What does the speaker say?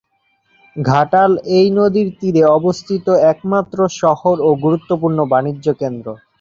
ঘাটাল এই নদীর তীরে অবস্থিত একমাত্র শহর ও গুরুত্বপূর্ণ বাণিজ্যকেন্দ্র।